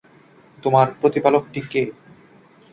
তোমার প্রতিপালকটি কে?